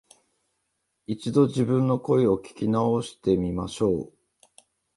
一度、自分の声を聞き直してみましょう